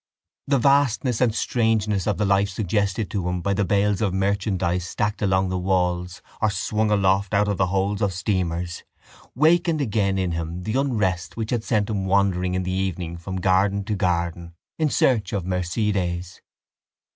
The vastness and strangeness of the life suggested to him by the bales of merchandise stocked along the walls or swung aloft out of the holds of steamers wakened again in him the unrest which had sent him wandering in the evening from garden to garden in search of Mercedes.